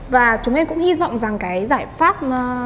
và chúng em cũng hy vọng rằng cái giải pháp